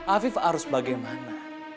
afif harus bagaimana